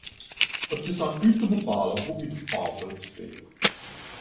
Het is aan u te bepalen hoe u de bal wilt spelen.